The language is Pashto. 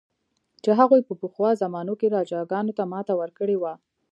چې هغوی په پخوا زمانو کې راجاګانو ته ماته ورکړې وه.